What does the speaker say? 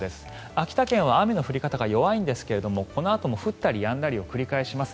秋田県は雨の降り方が弱いんですがこの後も降ったりやんだりを繰り返します。